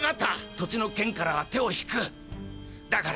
土地の件からは手を引くだから。